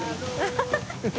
ハハハ